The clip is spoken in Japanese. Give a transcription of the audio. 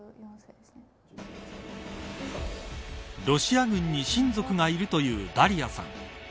ロシア軍に親族がいるというダリアさん。